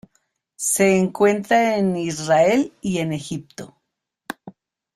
Se encuentra en Israel y en Egipto.